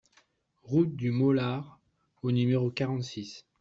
Route du Molard au numéro quarante-six